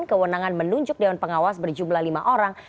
kewenangan menunjuk dewan pengawas berjumlah lima orang